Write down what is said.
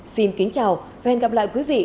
xin kính chào và hẹn gặp lại quý vị